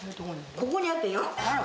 ここにあったよ。